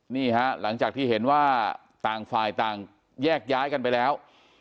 นี่ฮะหลังจากที่เห็นว่าต่างฝ่ายต่างแยกย้ายกันไปแล้ว